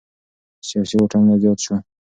سياسي واټن لا زيات شو.